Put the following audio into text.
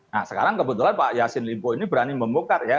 nah sekarang kebetulan pak yassin limpo ini berani membongkar ya